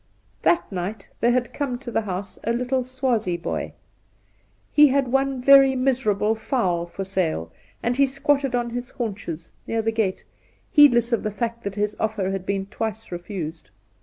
That night there had come to the house a little Swazie boy. He had one very miserable fowl for sale, and he squatted on his haunches near the gate, heedless of the fact that his oflFer had been twice refused.